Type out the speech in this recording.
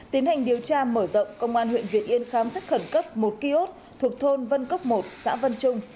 tiến hành điều tra mở rộng công an huyện việt yên khám xét khẩn cấp một kiosk thuộc thôn vân cốc một xã vân trung